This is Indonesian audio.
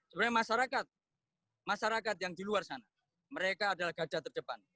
sebenarnya masyarakat masyarakat yang di luar sana mereka adalah gajah terdepan